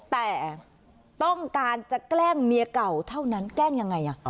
แต่ต้องการจะแกล้งเมียเก่าเท่านั้นแกล้งยังไง